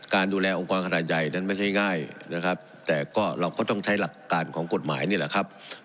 การดูแลองค์กรขนาดใหญ่นั้นไม่ใช่ง่ายนะครับแต่ก็เราก็ต้องใช้หลักการของกฎหมายนี่แหละครับ